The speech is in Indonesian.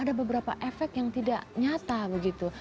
ada beberapa efek yang tidak nyata begitu